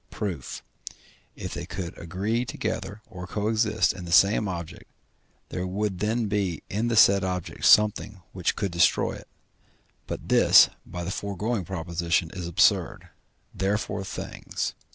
Proof. If they could agree together or co exist in the same object, there would then be in the said object something which could destroy it; but this, by the foregoing proposition, is absurd, therefore things, &c.